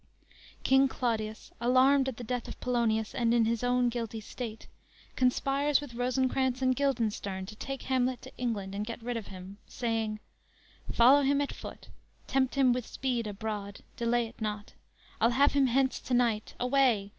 "_ King Claudius, alarmed at the death of Polonius and his own guilty state, conspires with Rosencrantz and Guildenstern to take Hamlet to England and get rid of him, saying: _"Follow him at foot; tempt him with speed abroad, Delay it not; I'll have him hence to night; Away!